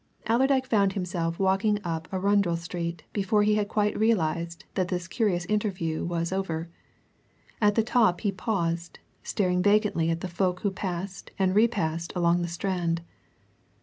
Allerdyke found himself walking up Arundel Street before he had quite realized that this curious interview was over. At the top he paused, staring vacantly at the folk who passed and repassed along the Strand.